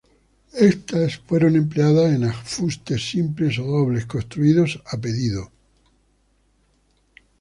Estas fueron empleadas en afustes simples o dobles construidos a pedido.